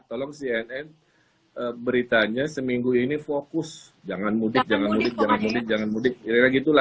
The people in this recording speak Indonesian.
tolong cnn beritanya seminggu ini fokus jangan mudik jangan mudik jangan mudik gitu lah kalau itu bisa